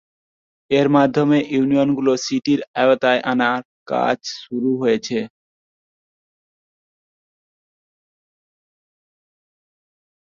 এর মাধ্যমে ইউনিয়নগুলো সিটির আওতায় আনার কাজ শুরু হয়েছে।